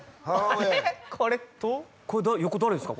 これこれ誰横誰ですか？